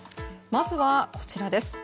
まずは、こちらです。